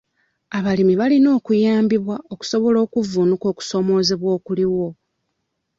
Abalimi balina okuyambibwa okusobola okuvvuunuka okusoomoozebwa okuliwo.